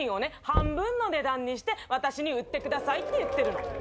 半分の値段にして私に売ってくださいって言ってるの。